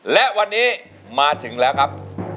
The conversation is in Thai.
และวันนี้มาถึงแล้วครับ